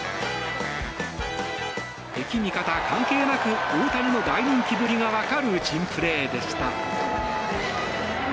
敵味方関係なく大谷の大人気ぶりが分かる珍プレーでした。